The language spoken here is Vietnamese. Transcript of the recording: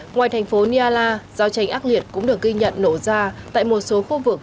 ngoài thành phố niala giao tranh ác liệt cũng được ghi nhận nổ ra tại một số khu vực